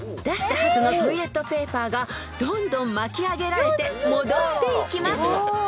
［出したはずのトイレットペーパーがどんどん巻き上げられて戻っていきます］